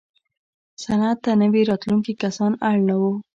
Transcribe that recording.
صنعت ته نوي راتلونکي کسان اړ نه وو.